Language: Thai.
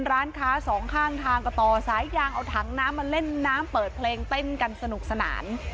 ร้านค้าสองข้างทางก็ต่อสายยางเอาถังน้ำมาเล่นน้ำเปิดเพลงเต้นกันสนุกสนาน